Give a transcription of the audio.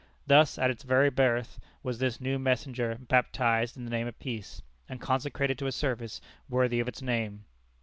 Thus at its very birth was this new messenger baptized in the name of Peace, and consecrated to a service worthy of its name.